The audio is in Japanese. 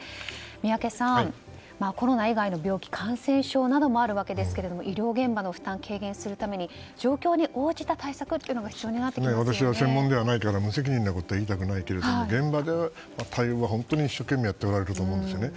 宮家さん、コロナ以外の病気感染症などもあるわけですが医療現場の負担を軽減するために状況に応じた対策が私は専門ではないから無責任なことは言いたくないけど現場の対応は本当に一生懸命やっておられると思うんですね。